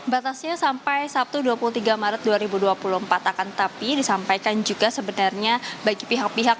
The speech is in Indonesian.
batasnya sampai sabtu dua puluh tiga maret dua ribu dua puluh empat akan tetapi disampaikan juga sebenarnya bagi pihak pihak